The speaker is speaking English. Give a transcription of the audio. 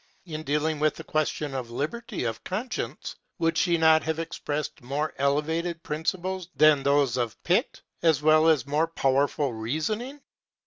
In dealing with the question of liberty of conscience, would she not have expressed more elevated principles than those of Pitt, as well as more powerful reasoning?